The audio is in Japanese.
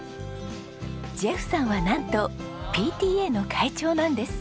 ジェフさんはなんとＰＴＡの会長なんです。